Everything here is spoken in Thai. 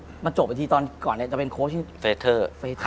โหมันจบไปทีตอนก่อนเนี่ยแต่เป็นโค้ชชื่อเฟเทอร์๕๗